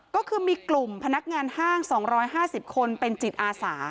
ก็คือมีกลุ่มพนักงานห้าง๒๕๐คนเป็นจิตอาสา